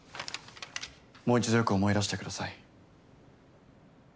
もう１度よく思い出してください。